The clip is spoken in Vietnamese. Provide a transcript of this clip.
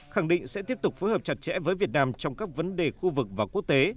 khẳng định sẽ tiếp tục phối hợp chặt chẽ với việt nam trong các vấn đề khu vực và quốc tế